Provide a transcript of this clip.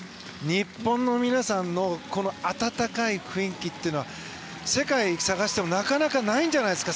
日本の皆さんの温かい雰囲気は世界探しても、なかなかないんじゃないですか。